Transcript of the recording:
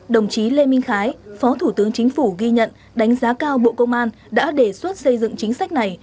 đồng chí lê minh khái phó thủ tướng chính phủ ghi nhận đánh giá cao bộ công an đã đề xuất xây dựng chính sách này